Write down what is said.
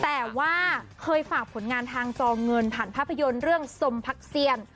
แต่ว่าเคยฝากผลงานทางจอเงินผ่านภาพยนตร์เรื่องสมพักเซียน